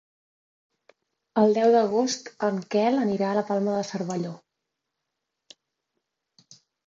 El deu d'agost en Quel anirà a la Palma de Cervelló.